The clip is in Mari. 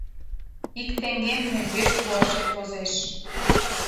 Ик теҥгем мӧҥгеш пуашет возеш...